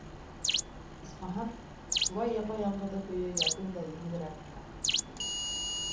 Исмаһам, шулай япа-яңғыҙы көйө ятыу ҙа еңелерәк һымаҡ.